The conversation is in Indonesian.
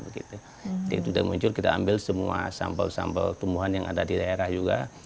jadi itu sudah muncul kita ambil semua sampel sampel tumbuhan yang ada di daerah juga